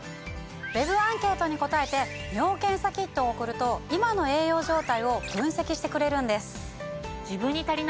ＷＥＢアンケートに答えて尿検査キットを送ると今の栄養状態を分析してくれるんです。